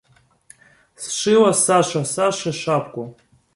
Сшила Саша Саше шапку.